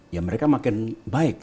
ya mereka makin baik